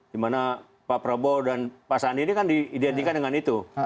di mana pak prabowo dan pak sani ini kan diidentikan dengan itu